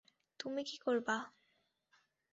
তুমি কি করবা?